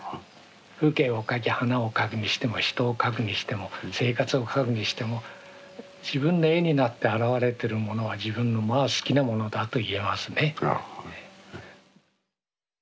風景を描き花を描くにしても人を描くにしても生活を描くにしても自分の絵になって表れてるものは自分のまあ好きなものだと言えますね。